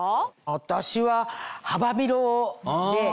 私は幅広で。